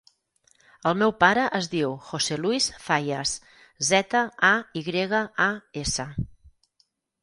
El meu pare es diu José luis Zayas: zeta, a, i grega, a, essa.